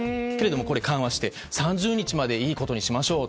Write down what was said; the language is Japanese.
これも緩和して３０日までいいことにしましょう。